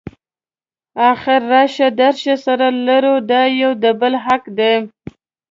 اخر راشه درشه سره لرو دا یو د بل حق دی.